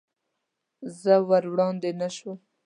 زه ور وړاندې نه شوم.